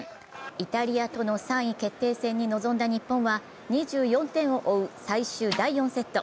イタリアとの３位決定戦に臨んだ日本は２４点を追う最終第４セット。